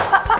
ya ampun pak